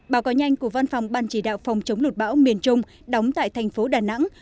báo cáo nhanh của văn phòng ban chỉ đạo phòng chống lụt bão miền trung đóng tại thành phố đà nẵng